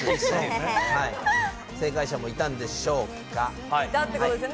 正解者もいたのでしょうか？